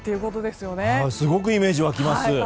すごくイメージ湧きます。